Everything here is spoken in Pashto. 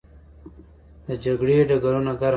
د جګړې ډګرونه ګرم شول.